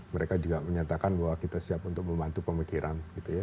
mereka juga menyatakan bahwa kita siap untuk membantu pemikiran